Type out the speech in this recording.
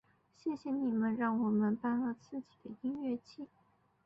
谢谢你们让我们办了自己的音乐祭！